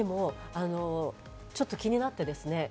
ちょっと気になってですね。